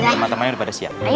teman teman yang sudah pada siap